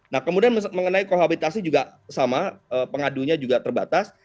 nah kemudian mengenai kohabitasi juga sama pengadunya juga terbatas